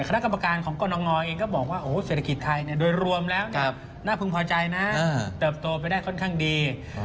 คณะกรรมการของกรณงเองก็บอกว่าเศรษฐกิจไทยโดยรวมแล้วน่าพึงพอใจนะเติบโตไปได้ค่อนข้างดี